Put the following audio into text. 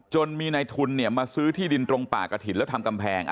มีในทุนมาซื้อที่ดินตรงป่ากระถิ่นแล้วทำกำแพง